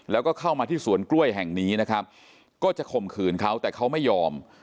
แล้วก็เข้ามาที่สวนกล้วยแห่งนี้นะครับก็จะข่มขืนเขาแต่เขาไม่ยอม